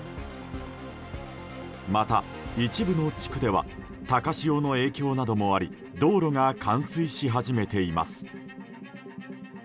また、一部の地区では高潮の影響などもあり道路が冠水し始めています。